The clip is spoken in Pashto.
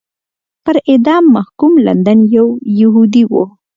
پر اعدام محکوم لندن یو یهودی و.